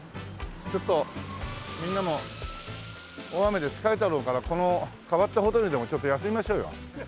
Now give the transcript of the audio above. ちょっとみんなも大雨で疲れたろうからこの変わったホテルでちょっと休みましょうよ。